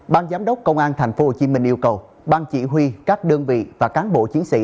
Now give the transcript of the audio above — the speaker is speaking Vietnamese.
ban giám đốc công an tp hcm yêu cầu ban chỉ huy các đơn vị và cán bộ chiến sĩ